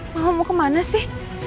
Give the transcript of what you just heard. mama mau kemana sih